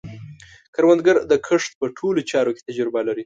کروندګر د کښت په ټولو چارو کې تجربه لري